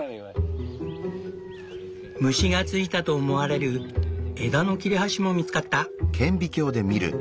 虫がついたと思われる枝の切れ端も見つかった。